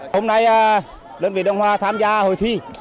hôm nay đơn vị đông hòa tham gia hội thi